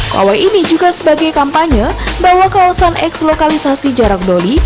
pawai ini juga sebagai kampanye bahwa kawasan eks lokalisasi jarak doli